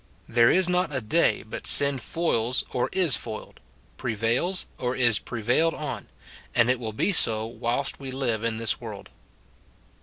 There is not a day but sin foils or is foiled, prevails or is prevailed on ; and it will be so whilst we live in this world.